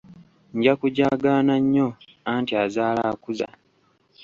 Nja kujaagaana nnyo anti azaala akuza.